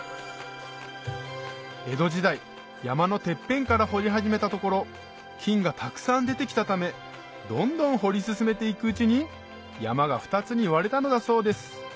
江戸時代山のてっぺんから掘り始めたところ金がたくさん出てきたためどんどん掘り進めていくうちに山が２つに割れたのだそうです